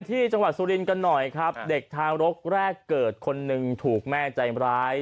ที่จังหวัดสุรินทร์กันหน่อยครับเด็กทารกแรกเกิดคนหนึ่งถูกแม่ใจร้าย